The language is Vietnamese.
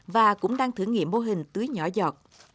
và cũng đang thử nghiệm mô hình tưới nhỏ giọt